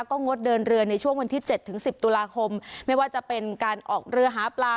ก็งดเดินเรือในช่วงวันที่เจ็ดถึงสิบตุลาคมไม่ว่าจะเป็นการออกเรือหาปลา